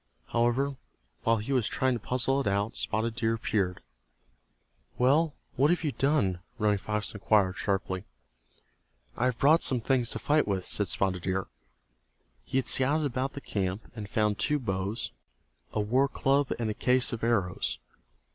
However, while he was trying to puzzle it out Spotted Deer appeared. "Well, what have you done?" Running Fox inquired, sharply. "I have brought some things to fight with," said Spotted Deer. He had scouted about the camp, and found two bows, a war club and a case of arrows.